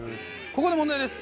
ここで問題です。